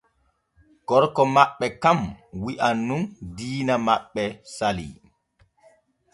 Gorko maɓɓe kan wi’an nun diina maɓɓe salii.